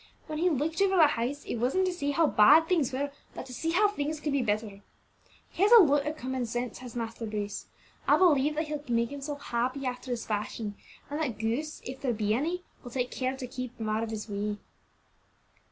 "When he looked over the house, it wasn't to say how bad things were, but to see how things could be bettered. He has a lot o' common sense, has Master Bruce; I believe that he'll make himself happy after his fashion, and that ghosts, if there be any, will take care to keep out of his way."